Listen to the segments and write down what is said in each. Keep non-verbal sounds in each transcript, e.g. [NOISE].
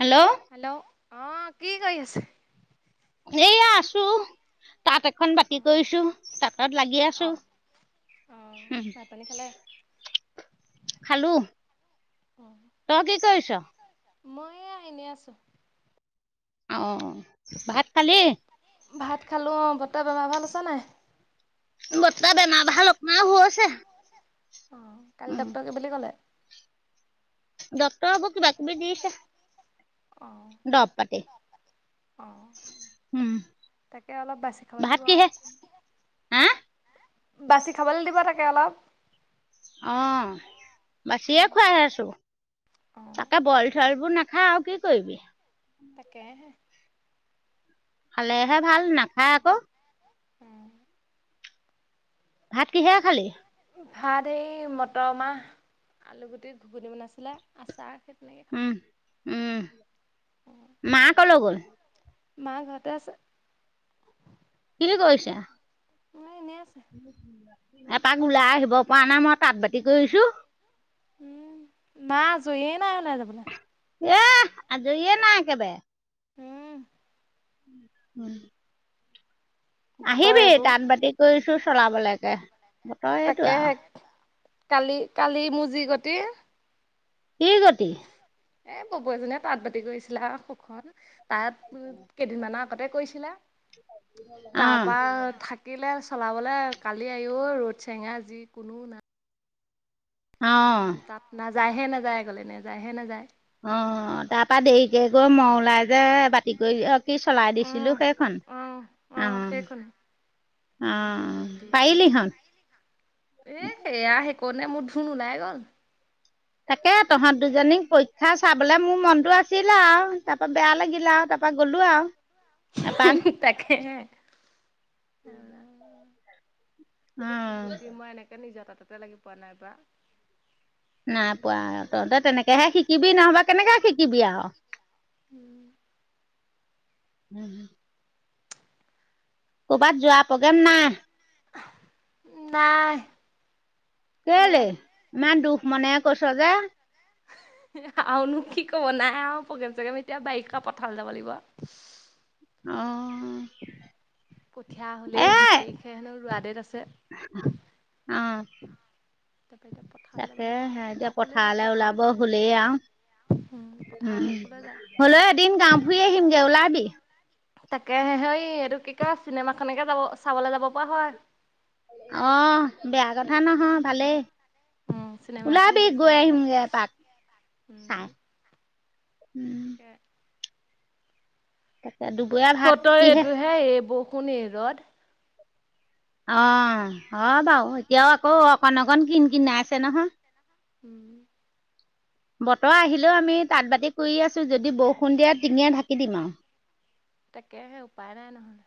Hello. Hello অহ কি কৰি আছে। এয়া আছো। তাঁত এখন বাতি অঁ কৰিছো তাঁতত লাগি আছোঁ। অহ ভাত, পানী খালে। খালো তই কি কৰিছ। মই এয়া এনে আছো অহ অহ ভাত খালি ভাত খালো অ বৰ্তা বেমাৰ ভাল পাইছে নাই বৰ্তা বেমাৰ ভাল অকমান হৈছে অ কালি ডক্তৰে কি বুলি ক'লে ডক্তৰে এইবোৰ কিবা কিবি দিছে দব পাটি অ তাকে অলপ বাচি খাব ভাত লাগিব আৱ কিহে হা বাচি খাবলৈ দিব তাকে অলপ অ বাচিয়ে খুৱাই আছো অঁ তাকে বইল চইল বোৰ নাখাৱ আৰু কি কৰিবি তাকে হে খালেহে ভাল নাখায় আক উম ভাত কিহেৰে খালি ভাত হে মটৰ মাহ আলুগুটি ঘুগুনি বনাইছিলে আচাৰ হে উম উম মা কলৈ গ'ল মা ঘতে আছে কি কৰিছে মা এনেই আছে। এপাক ওলাই আহিব পৰা নাই মই তাঁত বাতি কৰিছো উম নাই আজইয়ে নাই ওলাই যাবলে এহ আজৈয়ে নাই একেবায়ে উম উম বতৰ আহিবি এইটো তাঁত বাতি কৰিছো চলাবলৈকে বতৰ এইটো তাকেহে আউ কালি কালি মু যি গতি কি গতি এ বপৌ এজনীয়ে তাঁত বাতি কৰিছিলে আউ সুখন তাত কেইদিনমানৰ আগতে কৰিছিলে অ তাৰপা থাকিলে চলাবলৈ কালি আইও ৰ'দ চেঙা যি কোনো নাই অ তাত নাযায়হে নাযায় আগলে নে যায়হে নেযায় অ তাৰপা দেৰিকে গৈ ম ওলাই যে বাতি কৰি এ কি চলাই দিছিলো অঁ সেইখন অঁ অ অঁ সেইখনে অ যি গতি পাইলি হ এ সেয়া সেই কনে মোৰ ধুন ওলাই গল তাকে তহঁত দুজনীক পৰীক্ষা চাবলে মোৰ মনটো আছিল আও তাৰ পা বেয়া লাগিল আউ তাপ তাৰপা গ'লো আউ হু হু তাকেহে অ কি নাই গতি মই এনেকে নিজৰ তাততে লাগি পোৱা নাই বা নাই পোৱা তহঁতে তেনেকেহে শিকিবি নহবা কেনেকে শিকিবি আউ উম উম হ কবাত যোৱা প্ৰগ্ৰেম নাই নাই কলে কেলে যাব ইমান দুখ মনেৰে কৈছ যে আউনো কি কব নাই আউ প্ৰগ্ৰেম চগেম এতিয়া বাৰিষা পথালে যাব লাগিব আউ অ কঠিয়া হ'লেই এ বিশ তাৰিখে হেনো ৰোৱা দেত আছে অ তাৰপৰা এতিয়া পথাৰলৈ যাব তাকে লাগিব হে আৰু এতিয়া আৰু ক'লৈ যায় পথাৰলে পথাৰ ওলাব আগত হলেই আও পথাৰ আগত ক'লৈ উম যায় হলেও এদিন গাওঁ ফুৰি আহিমগে ওলাবি তাকে হেই এইটো কি কয় চিনেমা খকে যাব চাবলৈ যাব পৰা হয় অহ বেয়া কথা নহয় ভালেই উম চিনেমা এখন দি ওলাবি আছে গৈ নহয় এতিয়া আহিমগৈ এপাক উম চাই উম তাকে তাকে দুপৰীয়া ভাত বতৰ কিহে এইটো হে এই বৰষুণ এই ৰ'দ অ অ বাও এতিয়াও আকৌ অকণ অকণ কিন কিনাই আছে নহয় উম। বতৰ আহিলেও আমি তাঁত বাতি কৰি আছো যদি বৰষুণ দিয়ে টিঙে ঢাকি দিম আও তাকে সে উপায় নাই নহলে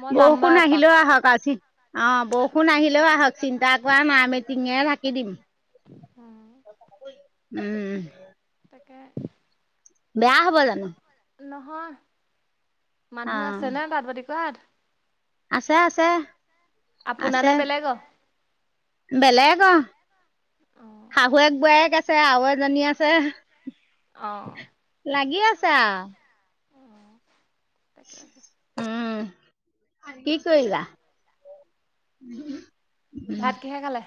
মই যাম বাৰু বৰষুণ এপাক আহিলেও আহক আজি অ বৰষুণ আহিলেও আহক চিন্তা কৰা নাই আমি টিঙেৰে ঢাকি দিম উম। উম। কা বেয়া হব জানো। নহয় অ মানুহ আছে নে তাট বতি ক আত। আছে আছে। আপুনা আছে নে বেলেগ। বেলেগ অ অঁ শাহু এক বোৱায়েক আছে আৰু এজনী আছে। অ। লাগি আছে আও। তাকে উম। কি কৰিলা ভাতকিহে খালে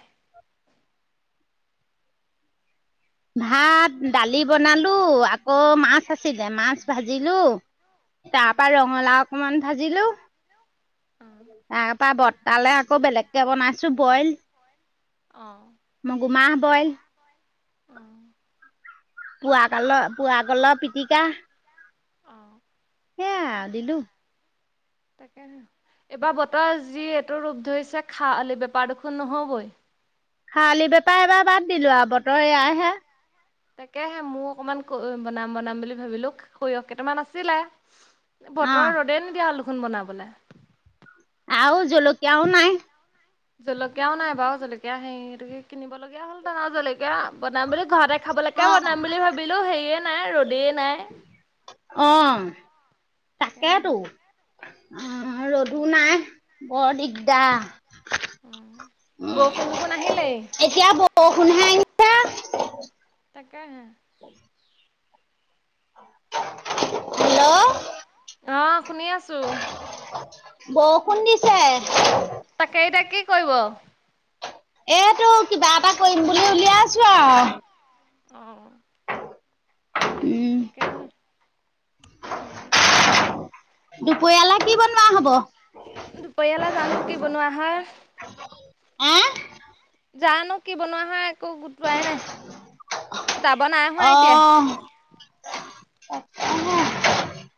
ভাত দালি বনালো আকৌ মাছ আছিলে মাছ ভাজিলো অঁ তাপা ৰঙালাও অকনমান ভাজিলো তাপা বত তালে আকৌ বেলেগকে বনাইছো বইল অঁ মগুমাহ বইল। পোৱা কাল পোৱা কল পিটিকা। অ। সেইয়া দিলু। [UNINTELLIGIBLE] তাকে ন এইবাৰ বতৰ যি এইটো ৰূপ ধৰিছে খি বেপাৰ দুখোন নহবই খালি বেপাৰ এবাৰ বাদ দিলো আৰু বতৰ এয়াই হে। তাকেহে মোৰ অকনমান বনাম বনাম বুলি ভাবিলো সৰিয়হ কেইটামান আছিলে। অ বতৰ ৰ'দে নিদিয়া হলদেখনু বনাবলে আও। জলকীয়াও নাই বাৰু জলকীয়া সেই গতিকে কিনিব লগগীয়া হ'ল দানা জলকীয়া বনাম বুলি ঘৰতে খাবলৈকে বনাম বুলি ভাবিলো সেয়ে। নাই ৰ'দে নাই। অ তাকে। তাকেতো অ ৰ'দো নাই বৰ দিগদা বৰষুণ দুখুন আহিলেই। এতিয়া বৰষুণহে তাকেহে হেল্ল' অ শুনি আছো বৰষুণ দিছে তাকে এতিয়া কি কৰিব এ তো কিবা এটা কৰিম বুলি উলিয়াইছো আও। অ। উম তাকে সেই এইটো দুপৰীয়ালে কি বনোৱা হব? দুপৰীয়ালে জানো কি বনোৱা হয়? অ। যানো কি বনোৱা হয়। কো গোটোৱাই নাই, গোটাব নাই হোৱা এতিয়া। অহ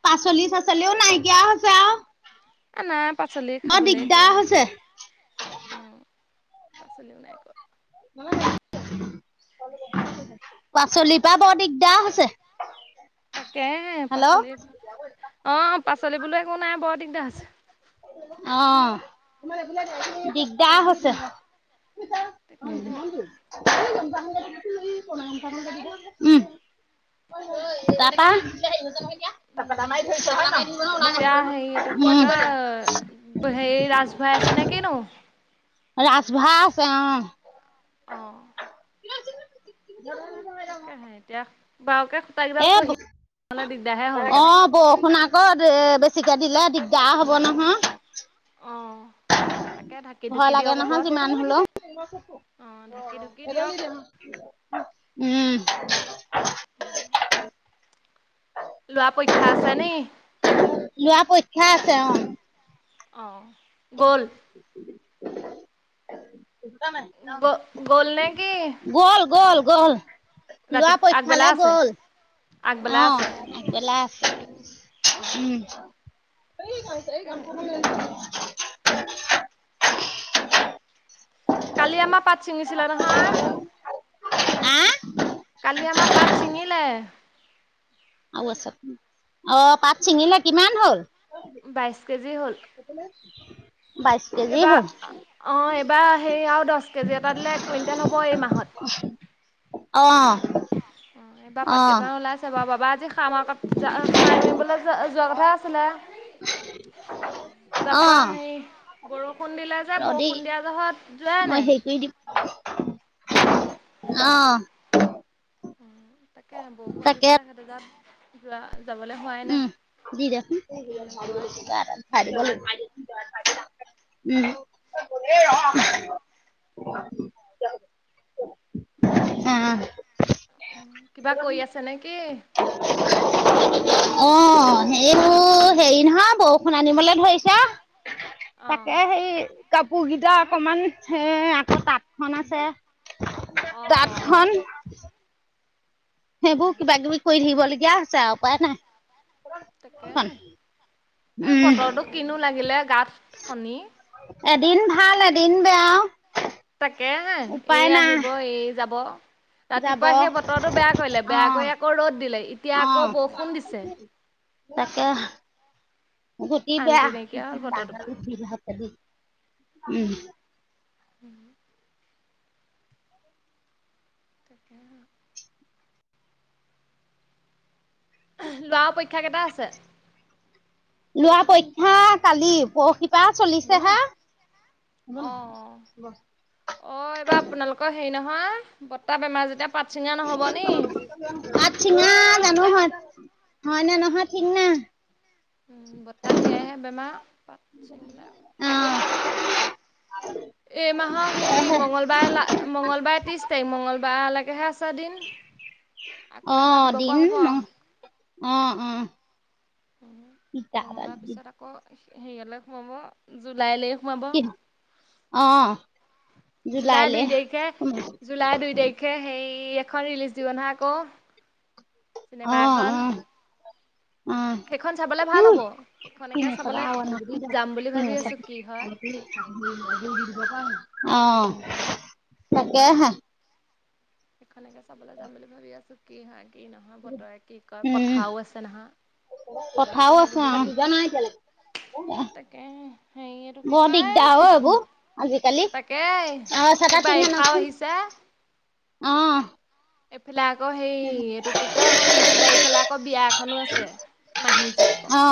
পাচলি ছাচলিও নাইকিয়া হৈছে আও। এ নাই পাচলি খাবলে একোৱে নাই হৈছে উম। পাচলিও নাই কোৱা। [INAUDIBLE] পাচলি পা বৰ দিগদাৰ হৈছে। তাকে হেল্ল' পাচলি ব অ পাচলি বোলো একো নাই বৰ দিগদাৰ হৈছে অ [INAUDIBLE] দিগদাৰ হৈছে। [INAUDIBLE] তাকে উম তাপা। এতিয়া [UNINTELLIGIBLE] [UNINTELLIGIBLE] হেৰি এইটো কি উম, কয় হেৰি ৰাজভাই আছে নে কিনো? ৰাজভা আছে অ। অ। তাকে হে এতিয়া বাওঁকে এ হ'লহেঁতেন অ বৌ শুনা আকত বেছিকে দিলে দিগদাৰ হব নহয়। [INAUDIBLE] ভয় ঢুকি লাগে দিয়ক নহয় ওপৰত যিমান হলেও। [UNINTELLIGIBLE] অ', ঢাকি ঢুকি দিয়ক উম। লৱা পৰীক্ষা আছে নি? খে আছে অ। আহঁ গ'ল? গ গ'ল নে কি [INAUDIBLE] গল গ'ল গল। ৰাতি লোৱা আগবেলা পক্ষালে আছে গ'ল। আগবেলা অ, আছে আকবেলা, আছে অ', উম। এই গাইছে এই তাকেহে গানখন। কালি আমাৰ পাত চিঙিছিলিলে নহয়। [UNINTELLIGIBLE] হ? কালি আমাৰ পাট ছিঙিলে। আৰু আ অ পাট চিঙিলে, কিমান হল? বাইশ কেজি হ'ল। উ। [UNINTELLIGIBLE] এইবাৰ অ এইবাৰ সেই আৰু দছ কেজি এটা দিলে এক কুইণ্টেল হ'ব এই মাহত। [UNINTELLIGIBLE] অ'। অ এইবাৰ পাত অ', কেইটামান ওলাই আছে বাৰু বাবা আজি। খামাৰ [UNINTELLIGIBLE] যোৱা কথা আছিলে। তাৰপা অ', হেই বৰষুণ দিলে যে ৰ'দী বৰষুণ দিয়া জহত যোৱাই মই নাই। হেৰি কৰি দিম অ। উ তাকে বৰষুণ তাকে দিছে সাত যোৱা যাবলৈ হোৱাই নাই উম দি দে চূণ। কিনো কয় [UNINTELLIGIBLE] উ ৰ। [UNINTELLIGIBLE] [UNINTELLIGIBLE] উ কিবা কৰি আছে নে কি? অ সেইবোৰ হেৰি নহয় বৰষুণ আনিবলে ধৰিছে অঁ তাকে সেই কাপোৰ কেইটা অকমান হ আকৌ তাঁতখনন আছে। অঁ তাত অঁ খন সেইবোৰ অঁ কিবা কিবি কৰি থাকিবলগীয়া হৈছে আও উপায় নাই। তাকে এখন হে আৰু উম বতৰটো কিনো লাগিলে গাত শনি। এদিন ভাল এদিন বেয়া। তাকে হে এই উপায় নাই আহিব এই যাব। যাব ৰাতিপুৱা অ সেই বতৰটো বেয়া কৰিলে বেয়া কৰি আকৌ ৰ'দ দিলে এতিয়া অ আকৌ বৰষুণ দিছে। তাকে। গতি, শান্তি নাইকিয়া হ'ল বেয়া বতৰটোৰ পৰা আৰু বি হালি উম। উম। তাকে। লোৱা পৰীক্ষা কেইটা আছে। লোৱা পৰীক্ষা কালি পৰশিপা চলিছে হা। অ অ অ এইবাৰ আপোনালোকৰ হেৰি নহয়, বতাহ বেমাৰ যেতিয়া। পাত ছিঙা নহ'ব নি পাত চিঙা। তানুহ হয়, না নহয় ঠিক না। উম বতাহ সেয়াইহে বেমাৰ। পাত ছিঙিলে উম। এই মাহৰ সেই অ মঙ্গলবাৰ মঙ্গলবাৰ ত্ৰিশ তাৰিখ মঙ্লবাৰলৈকেহে আছে দিন। আকৌ এবাৰ আহ দিব পৰা দিন হ'ব আৰু আহ অ ইটা উ মঙলবাৰ পিছত আকৌ হেৰিয়ালৈ সোমাব জুলাইলৈ। সোমাব কি আহ। জুলাই দুই তাৰিখে জুলাই দুই তাৰিখে সেই। এখন ৰিলিজ দিব নহয় আকৌ চিনেমা এখন। উম সেইখন চাবলৈ উ ভাল হ'ব সেইখনকে চাবলৈ যাম বুলি ভাবি চনিছলনিছ। আছোঁ কি হয় অ তাকে হে। সেনেকে চাবলৈ যাম বুলি ভাবি আছো কি হয়াই। কি নহয় বতৰে কি কয় উম পথাৰও আছে নহয়। মাল [UNINTELLIGIBLE] তাকে হেৰি এইটো কি কয় দিগদাৰ অ এইবোৰ আজিকালি তাকে। অ এইবাৰ বাৰিষাও আহিছা। আহ এইফালে আকৌ হেই এইটো কি ক ত্ৰিশ তাৰিখলৈ আকৌ বিয়া এখনো আছে। মাহীজীয়েকৰ অ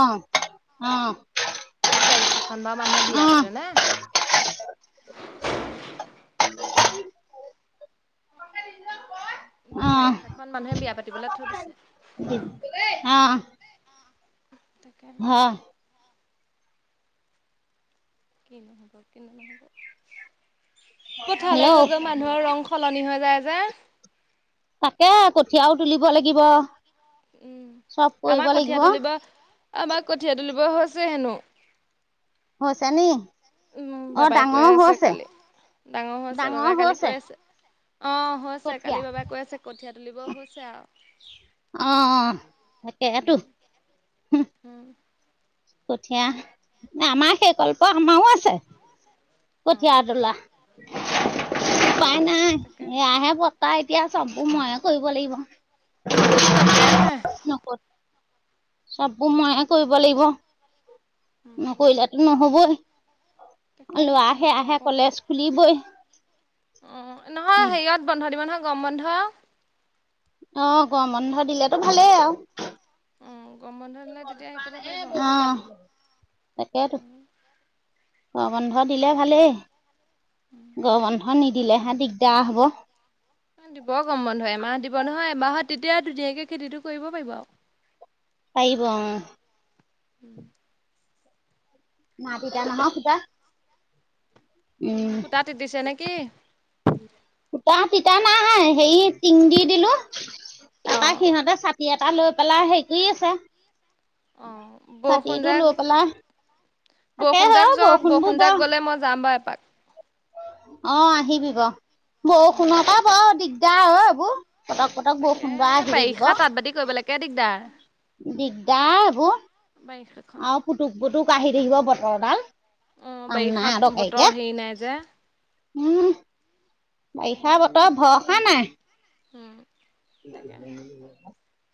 অ এই বাৰিষাখন বা মানুহে বিয়া অ পাতে ন। ন বাৰিষাখনন মানুহে বিয়া পাতিবলৈ থৈ দিছে। অ তাকনো। কি নহ'ব কিন্তু নহব। পথাৰ গৈ হেল্ল' গৈ মানুহৰ ৰং সলনি হৈ যায় যে। তাকে কঠিযাও তুলিব লাগিব। উম চব কৰিব আমাৰ লাগিব কঠিয় তুলিব আমাক কঠীয়া তুলিব হৈছে হেনো হৈছে নি উম অ বাবাই কৈ ডাঙৰ আছে হৈছে। কালি। ডাঙৰ হৈছে বাবাই কালি কৈ আছে অ হৈছে কঠীয়া কালি বাবাই কৈ আছে কঠিয়াত। তুলিব হৈছে আৰু অ তাকে তো উম। উম কঠীয়া ন আমাৰ সেই কল্প আমাৰো আছে। কঠিয়া তোলা অ অ। উপাই নাই তাকে এ আহে পত্তা এতিয়া। চবো ময়ে কৰিব লাগিব। তাকেহে চবোৰ মইহে কৰিব লাগিব নকৰিলোতো নহবই। লৱা তাকেহে আহে এতিয়া আহে কলেজ খুলিবই উম নহয় হেৰিয়ত বন্ধ দিব নহয় গৰম বন্ধ অ গৰম বন্ধ দিলেতো ভালেই আৰু উ গৰম বন্ধ দিলে তেতিয়া হেৰি কৰিব পাৰিব অ তাকেইতো গৰম বন্ধ দিলে ভালেই গৰম বন্ধ নিদিলেহে দিগদাৰ হব। বাহত তেতিয়া ধুনীয়াকে খেতিটো কৰিব পাৰিব আৰু পাৰিব অ উম না পিতা নহ পিটা সূতা তিতিছে নেকি? সূতা তিতা নাই হেৰি টিং দি দিলো অ তাপাক সিহঁতে ছাতি এটা লৈ পেলাই হেৰি কৰি আছে। অহ বৰষুণ ছাতিটো লৈ যাক পেলাই তাকে হয় বৰষুণজাক যক বৰষুণবোৰ বৰ বৰষুণজাক গ'লে মই যাম বাৰু এপাক অ আহিবি বাৰ বৰষুণৰ পৰা বৰ দিগ দাৰ পতক পটক তাকে বৰষুণ [UNINTELLIGIBLE] দি এই থাকিব। বাৰিষা তাঁত বাতি কৰিবলৈকে দিগদাৰ দিগদাৰ হব বাৰিষাখন আৰু পুটুক পুটুক আহি থাকিব বতৰডাল অ কাম বাৰিষা নাই আৰু বতৰ কেইকে হেৰি নাই যে উম বাৰিষা বতৰ ভৰসা নাই উম তাকেহে [UNINTELLIGIBLE]